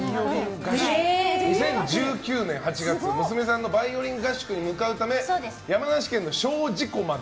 ２０１９年８月娘さんのバイオリン合宿に向かうため山梨県の精進湖まで。